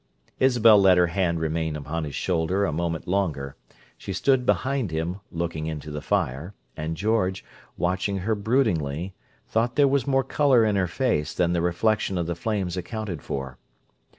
Isabel let her hand remain upon his shoulder a moment longer; she stood behind him, looking into the fire, and George, watching her broodingly, thought there was more colour in her face than the reflection of the flames accounted for.